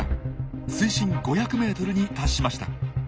水深５００ｍに達しました。